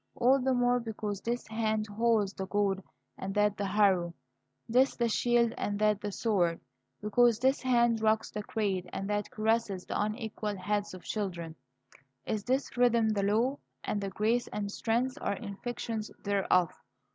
All the more because this hand holds the goad and that the harrow, this the shield and that the sword, because this hand rocks the cradle and that caresses the unequal heads of children, is this rhythm the law; and grace and strength are inflections thereof.